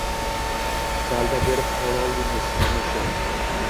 Dalda berib qololdingiz bizni ushlab